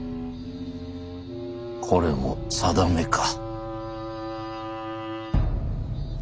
これも定めか。